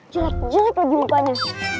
jelek jelek lagi mukanya